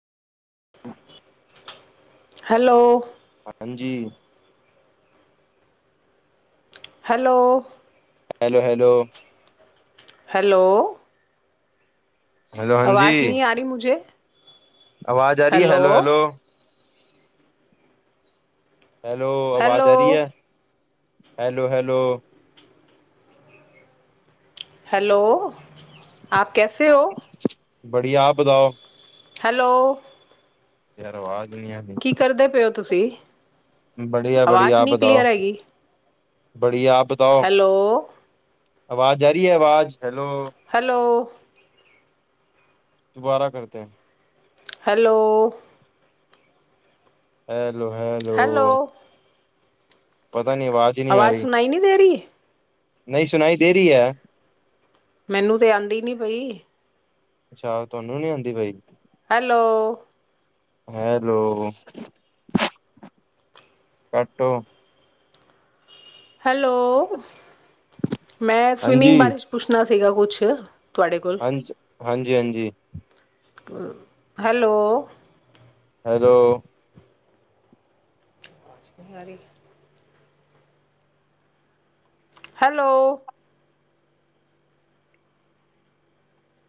Hello ਹਾਂਜੀ। Hello hello hello. Hello. Hello ਹਾਂਜੀ ਆਵਾਜ਼ ਆ ਰਹੀ ਹੈ ਹੈਲੋ ਹੈਲੋ। ਹੈਲੋ ਆਵਾਜ਼ ਆ ਰਹੀ ਹੈ ਹੈਲੋ ਹੈਲੋ। ਹੈਲੋ ਆਪ ਕੈਸੇ ਹੋ। ਬੜੀਆ ਆਪ ਬਤਾਓ। ਹੈਲੋ। ਤਰੇ ਆਵਾਜ ਨਹੀਂ ਆ ਕੀ। ਕੀ ਕਰਦੇ ਪਏ ਹੋ ਤੁਸੀਂ। ਬੜੀਆ ਬੜੀਆ ਆਵਾਜ਼ ਆਪ ਨਹੀਂ ਕਲੀਅਰ ਬਤਾਓ। ਹੈਗੀ ਬੜੀਆ ਆਪ ਬਤਾਓ ਹੈਲੋ ਆਵਾਜ਼ ਆ ਰਹੀ ਹੈ ਆਵਾਜ਼। ਹੈਲੋ ਹੈਲੋ ਦੁਬਾਰਾ ਕਰਤੇ ਹੈ। ਹੈਲੋ। ਹੈਲੋੋ ਹੈ। ਹੈਲੋ। ਪਤਾ ਨਹੀਂ ਆਵਾਜ਼ ਹੀ ਨਹੀਂ ਆ ਰਹੀ ਸੁਣਾਈ ਨਹੀਂ ਦੇ ਰਹੀ ਨਹੀਂ ਸੁਣਾਈ ਦੇ ਰਹੀ ਹੈ। ਮੈਨੂੰ ਤੇ ਆਉਂਦੀ ਨੀ ਪਈ। ਅੱਛਾ ਤੁਹਾਨੂੰ ਨੀ ਆਉਂਦੀ ਪਈ। ਹੈਲੋ। ਹੈਲੋ। ਕੱਟੋ। ਹੈਲੋ ਮੈਂ ਹਾਂਜੀ ਸਵੀਮਿੰਗ ਬਾਰੇ ਚ ਪੁੱਛਣਾ ਸੀਗਾ ਕੁਛ। ਤੁਹਾਡੇ ਕੋਲ ਹਾਂਜੀ-ਹਾਂਜੀ-ਹਾਂਜੀ। ਹੈਲੋ। ਹੈਲੋ। ਛ ਮਹਾਰੀ [inaudible] ਹੈਲੋ।